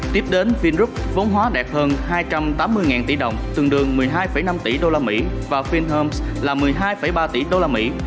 tiếp đến vingroup vốn hóa đạt hơn hai trăm tám mươi tỷ đồng tương đương một mươi hai năm tỷ đô la mỹ và finteoms là một mươi hai ba tỷ đô la mỹ